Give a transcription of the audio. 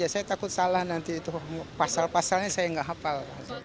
saya takut salah nanti itu pasal pasalnya saya nggak hafal